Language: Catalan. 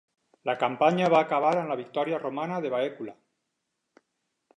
La campanya va acabar amb la victòria romana de Baecula.